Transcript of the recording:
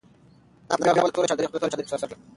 انا په بېړه خپله توره چادري پر سر کړه.